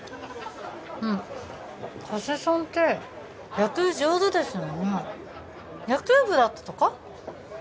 あっ加瀬さんって野球上手ですよね野球部だったとか？